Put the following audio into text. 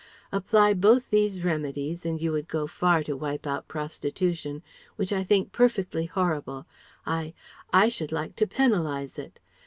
Apply both these remedies and you would go far to wipe out prostitution, which I think perfectly horrible I I should like to penalize it.